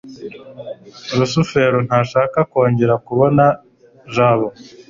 rusufero ntashaka kongera kubona jabo